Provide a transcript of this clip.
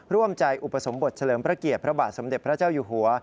ร่วมใจอุปสมบทเฉลิมพระเกียรติพระบาทสมเด็จพระเจ้าอยู่หัว